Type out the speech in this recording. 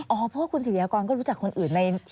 เพราะว่าคุณศิริยากรก็รู้จักคนอื่นใน